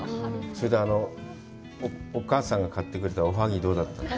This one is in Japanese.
それで、お母さんが買ってくれたおはぎ、どうだった？